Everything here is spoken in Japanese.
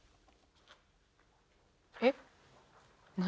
えっ？何？